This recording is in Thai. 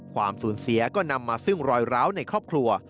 ความสูญเสียก็นำมาซึ่งรอยร้าวในครอบครัว